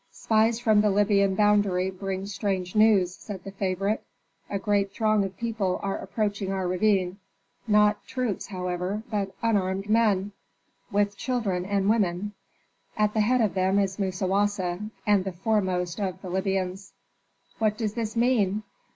"Spies from the Libyan boundary bring strange news," said the favorite. "A great throng of people are approaching our ravine, not troops, however, but unarmed men, with children and women; at the head of them is Musawasa, and the foremost of the Libyans." "What does this mean?"